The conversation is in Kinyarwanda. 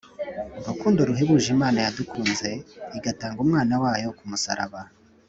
Urukundo ruhebuje Imana yadukunze igatanga umwana wayo kumusaraba